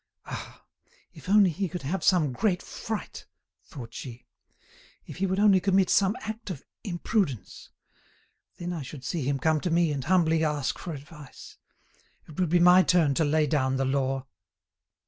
"Ah! if he could only have some great fright," thought she; "if he would only commit some act of imprudence! Then I should see him come to me and humbly ask for advice; it would be my turn to lay down the law."